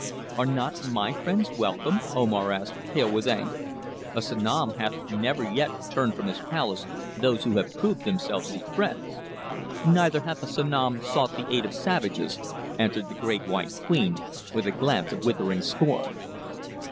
"Are not my friends welcome?" Omar asked, pale with anger. "A Sanom hath never yet turned from his palace those who have proved themselves his friends." "Neither hath a Sanom sought the aid of savages," answered the Great White Queen, with a glance of withering scorn.